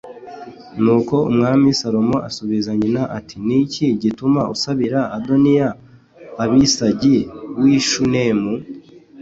Nuko Umwami Salomo asubiza nyina ati “Ni iki gituma usabira Adoniya Abisagi w’i Shunemu?